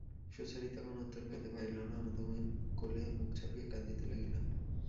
সুচরিতা কোনো উত্তর করিতে পারিল না, আনন্দময়ীর কোলে মুখ চাপিয়া কাঁদিতে লাগিল।